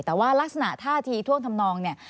แต่ว่ารักษณะท่าทีท่วงทำนองเนี่ย